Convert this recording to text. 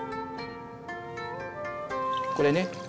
これね。